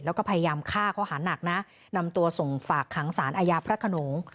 แล้วก็พยายามฆ่าข้อหานักนะนำตัวส่งฝากขังสารอาญาพระขนง